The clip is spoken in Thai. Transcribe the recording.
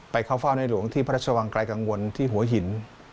เข้าเฝ้าในหลวงที่พระราชวังไกลกังวลที่หัวหิน